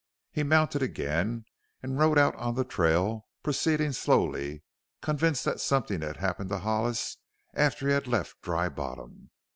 He mounted again and rode out on the trail, proceeding slowly, convinced that something had happened to Hollis after he had left Dry Bottom.